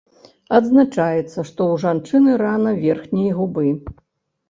Адзначаецца, што ў жанчыны рана верхняй губы.